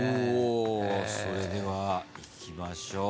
それではいきましょう。